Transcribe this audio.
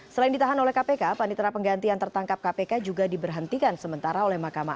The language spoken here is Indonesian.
selain ditahan oleh kpk panitera pengganti yang tertangkap kpk juga diberhentikan sementara oleh mahkamah